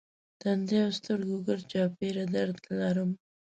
تندی او سترګو ګرد چاپېره درد لرم.